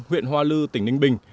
huyện hoa lư tỉnh ninh bình